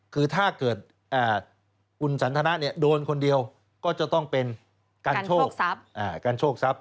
คือถ้าเกิดคุณสันทนะโดนคนเดียวก็จะต้องเป็นการโชคทรัพย